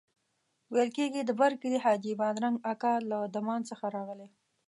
ویل کېږي د برکلي حاجي بادرنګ اکا له دمان څخه راغلی.